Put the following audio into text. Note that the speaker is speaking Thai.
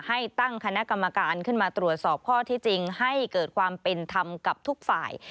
ให้ตั้งคณะกรรมการขึ้นมาตรวจสอบข้อที่จริงให้เกิดความเป็นธรรมกับทุกฝ่าย